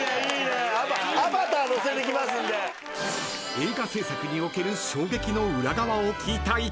［映画制作における衝撃の裏側を聞いた一行］